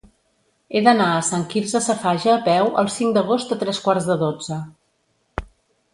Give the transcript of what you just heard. He d'anar a Sant Quirze Safaja a peu el cinc d'agost a tres quarts de dotze.